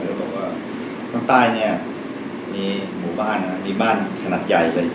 เขาบอกว่าข้างใต้มีหมู่บ้านมีบ้านขนัดใหญ่